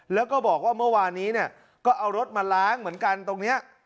แล้วก็บอกว่าเมื่อวานนี้เนี่ยก็เอารถมาล้างเหมือนกันตรงนี้